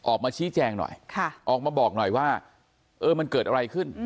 ออกมาชี้แจงหน่อยออกมาบอกหน่อยว่าเออมันเกิดอะไรขึ้น